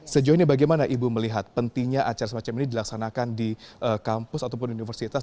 sejauh ini bagaimana ibu melihat pentingnya acara semacam ini dilaksanakan di kampus ataupun universitas